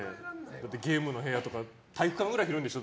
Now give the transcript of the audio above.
ゲームの部屋とか体育館くらい広いんでしょ？